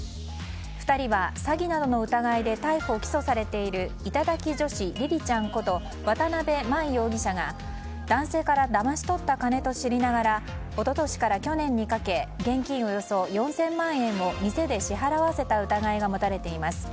２人は、詐欺などの疑いで逮捕・起訴されている頂き女子りりちゃんこと渡辺真衣容疑者が男性からだまし取った金と知りながら一昨年から去年にかけ現金およそ４００万円を店で支払わせた疑いが持たれています。